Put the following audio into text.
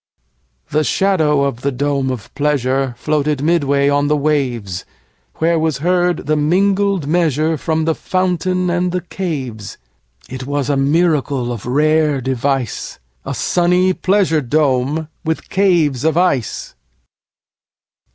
The shadow of the dome of pleasureFloated midway on the waves; Where was heard the mingled measureFrom the fountain and the caves.It was a miracle of rare device,A sunny pleasure dome with caves of ice!